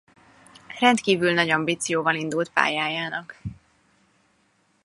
Rendkívül nagy ambícióval indult pályájának.